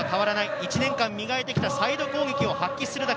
一年間、磨いてきたサイド攻撃を発揮するだけ。